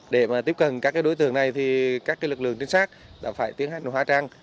để mà tiếp cận các đối tượng này thì các lực lượng trinh sát đã phải tiến hành hóa trang